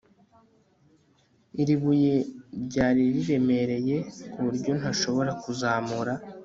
Iri buye ryari riremereye kuburyo ntashobora kuzamura